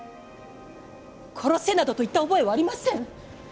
殺せなどと言った覚えはありません！